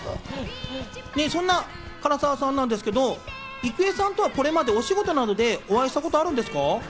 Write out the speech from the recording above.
そんな唐沢さんなんですけど郁恵さんとはこれまでお仕事でお会いしたことはあるんですか？